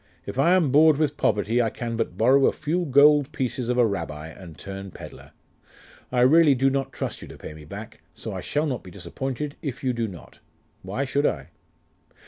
If I am bored with poverty, I can but borrow a few gold pieces of a rabbi, and turn pedler. I really do not trust you to pay me back, so I shall not be disappointed if you do not. Why should I?